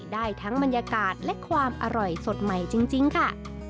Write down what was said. ได้ทั้งบรรยากาศและความอร่อยสดใหม่จริงค่ะ